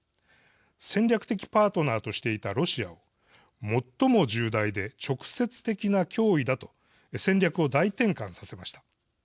戦略的パートナーとしていたロシアを最も重大で直接的な脅威だと戦略を大転換させました。